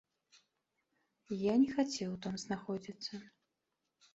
Я не хацеў там знаходзіцца.